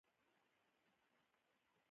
داسي مرحلې ته ورسيږي چي